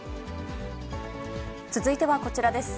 続いてはこちらです。